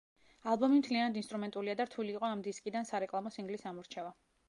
ალბომი მთლიანად ინსტრუმენტულია და რთული იყო ამ დისკიდან სარეკლამო სინგლის ამორჩევა.